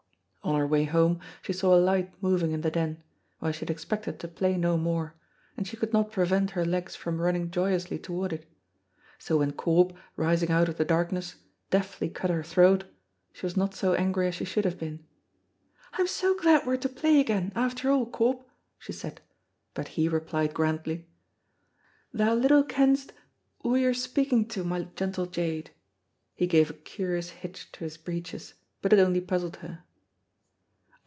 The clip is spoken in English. On her way home she saw a light moving in the Den, where she had expected to play no more, and she could not prevent her legs from running joyously toward it. So when Corp, rising out of the darkness, deftly cut her throat, she was not so angry as she should have been. "I'm so glad we are to play again, after all, Corp," she said; but he replied grandly, "Thou little kennest wha you're speaking to, my gentle jade." He gave a curious hitch to his breeches, but it only puzzled her.